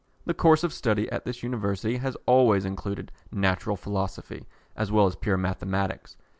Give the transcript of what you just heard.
The course of study at this University has always included Natural Philosophy, as well as Pure Mathematics.